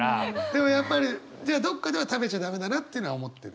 でもやっぱりじゃあどっかでは食べちゃ駄目だなってのは思ってる？